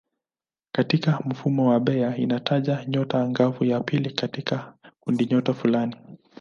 Katika mfumo wa Bayer inataja nyota angavu ya pili katika kundinyota fulani.